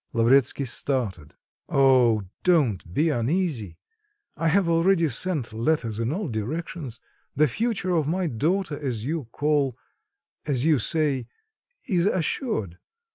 Lavretsky started. "Oh, don't be uneasy! I have already sent letters in all directions. The future of my daughter, as you call as you say is assured.